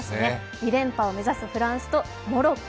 ２連覇を目指すフランスとモロッコ